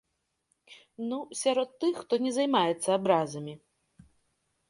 Ну, сярод тых, хто не займаецца абразамі.